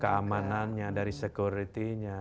keamanannya dari security nya